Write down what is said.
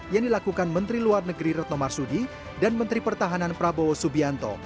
yang dilakukan menteri luar negeri retno marsudi dan menteri pertahanan prabowo subianto